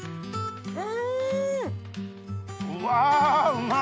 うわうま！